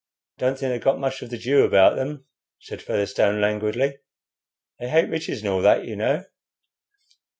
"Don't think they've got much of the Jew about them," said Featherstone, languidly. "They hate riches and all that, you know.